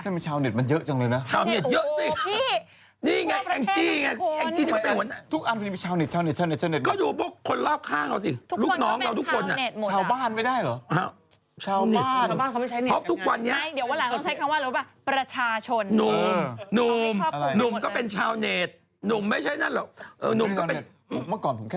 นั่นชาวเน็ตมันเยอะจังเลยนะ